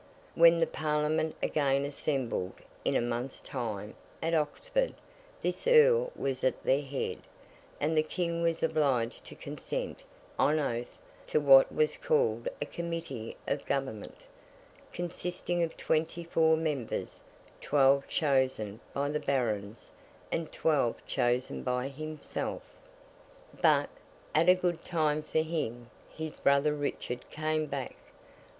When the Parliament again assembled, in a month's time, at Oxford, this Earl was at their head, and the King was obliged to consent, on oath, to what was called a Committee of Government: consisting of twenty four members: twelve chosen by the Barons, and twelve chosen by himself. But, at a good time for him, his brother Richard came back.